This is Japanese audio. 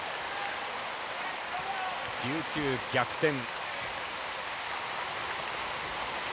琉球、逆転。